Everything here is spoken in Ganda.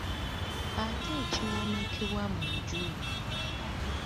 Ate ekiwomekebwa mu nju?